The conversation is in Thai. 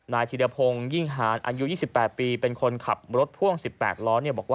นายธีรภงยิ่งหารอายุ๒๘ปีเป็นคนขับรถพ่วง๑๘ล้อ